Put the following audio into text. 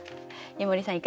井森さん